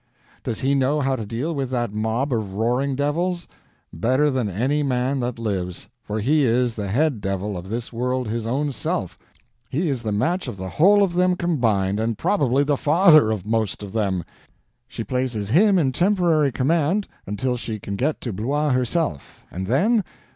Does he know how to deal with that mob of roaring devils? Better than any man that lives; for he is the head devil of this world his own self, he is the match of the whole of them combined, and probably the father of most of them. She places him in temporary command until she can get to Blois herself—and then!